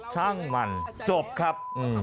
ช่างมันจบครับ